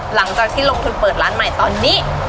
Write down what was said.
หลังจากที่ลงทุนเปิดร้านใหม่ตอนนี้